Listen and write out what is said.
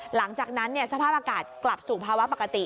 หลังจากนั้นสภาพอากาศกลับสู่ภาวะปกติ